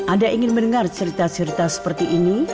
anda ingin mendengar cerita cerita seperti ini